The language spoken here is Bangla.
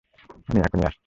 আমি এখনই আসছি।